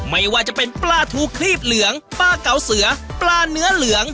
ไม่ว่าจะเป็นปลาทูครีบเหลืองปลาเก๋าเสือปลาเนื้อเหลือง